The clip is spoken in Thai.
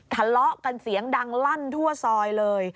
ทะเลาะกันเสียงดังลั่นทั่วซอยเลย